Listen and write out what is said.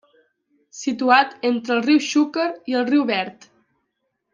Situat entre el riu Xúquer i el riu Verd.